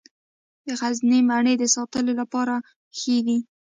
د غزني مڼې د ساتلو لپاره ښې دي.